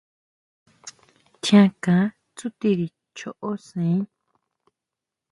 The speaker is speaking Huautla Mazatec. Tjiánka tsutiri choʼo sʼaen.